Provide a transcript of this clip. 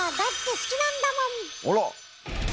あら！